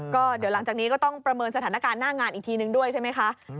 ก็เดี๋ยวหลังจากนี้ก็ต้องประเมินสถานการณ์หน้างานอีกทีนึงด้วยใช่ไหมคะ